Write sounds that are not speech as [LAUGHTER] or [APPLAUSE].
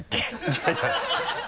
いやいや [LAUGHS]